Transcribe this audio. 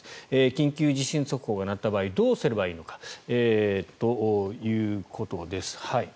緊急地震速報が鳴った場合どうすればいいのかということです。